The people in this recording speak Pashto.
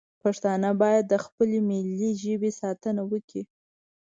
پښتانه باید د خپلې ملي ژبې ساتنه وکړي